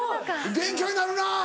勉強になるな！